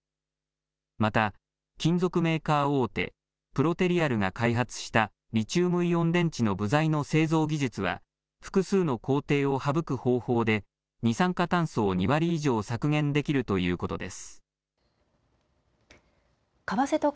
また金属メーカー大手、プロテリアルが開発したリチウムイオン電池の部材の製造技術は複数の工程を省く方法で二酸化炭素を２割以上削減できるということです。